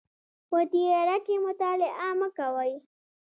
په تیاره کې مطالعه مه کوئ